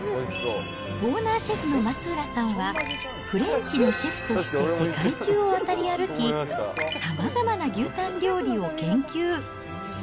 オーナーシェフの松浦さんはフレンチのシェフとして世界中を渡り歩き、さまざまな牛タン料理を研究。